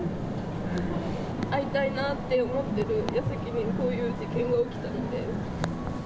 会いたいなって思ってるやさきに、こういう事件が起きたので。